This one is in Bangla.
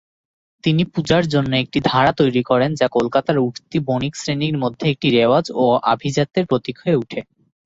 তিনি পূজার জন্য একটি ধারা তৈরি করেন যা কলকাতার উঠতি বণিক শ্রেণির মধ্যে একটি রেওয়াজ এবং আভিজাত্যের প্রতীক হয়ে ওঠে।